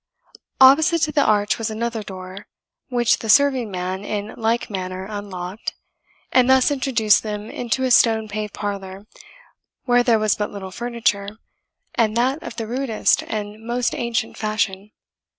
Opposite to the arch was another door, which the serving man in like manner unlocked, and thus introduced them into a stone paved parlour, where there was but little furniture, and that of the rudest and most ancient fashion.